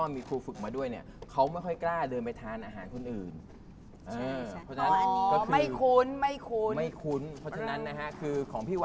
ไม่ถึงไม่ถึง